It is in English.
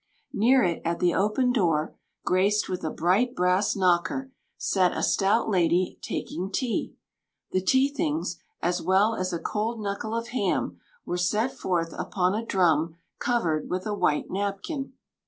Near it at the open door (graced with a bright brass knocker) sat a stout lady taking tea. The tea things, as well as a cold knuckle of ham, were set forth upon a drum covered with a white napkin.